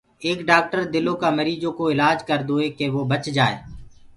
ايڪ ڊآڪٽر دلو ڪآ مريٚجو ڪوُ الآج ڪردوئي ڪي وو بچ جآئي